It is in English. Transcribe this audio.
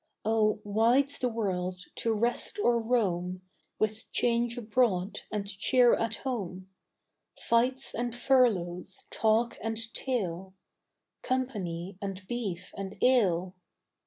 Oh wide's the world, to rest or roam, With change abroad and cheer at home, Fights and furloughs, talk and tale, Company and beef and ale.